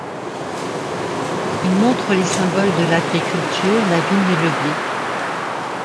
Il montre les symboles de l'agriculture, la vigne et le blé.